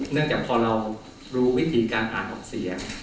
เนื่องจากพอเรารู้วิธีการออกเสียง